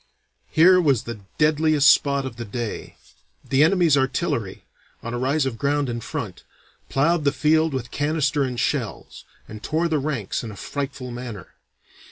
Here was the deadliest spot of the day. The enemy's artillery, on a rise of ground in front, plowed the field with canister and shells, and tore the ranks in a frightful manner.